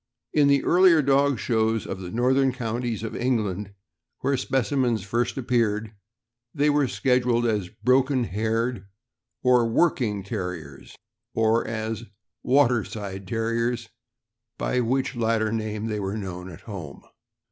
In the earlier dog shows of the northern counties of England, where specimens first ap peared, they were scheduled as " Broken haired or Work ing Terriers," or as "Waterside Terriers," by which latter name they were known at home.